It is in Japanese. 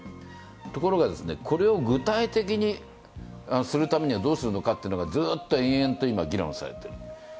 ところがこれを具体的にするためにはどうするのかというのをずっと延々と議論されている。